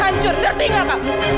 hancur tertinggal kamu